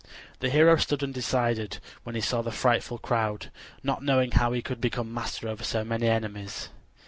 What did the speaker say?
The hero stood undecided when he saw the frightful crowd, not knowing how he could become master over so many enemies.